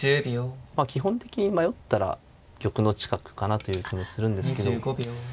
基本的に迷ったら玉の近くかなという気もするんですけど。